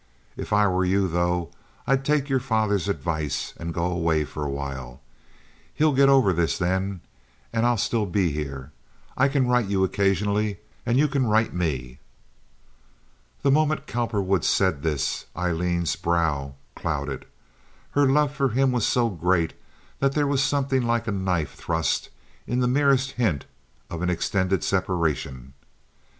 If I were you, though, I'd take your father's advice and go away for a while. He'll get over this then, and I'll still be here. I can write you occasionally, and you can write me." The moment Cowperwood said this Aileen's brow clouded. Her love for him was so great that there was something like a knife thrust in the merest hint at an extended separation.